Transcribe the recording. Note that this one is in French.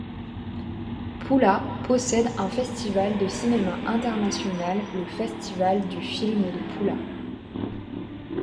Pula possède un festival de cinéma international, le Festival du film de Pula.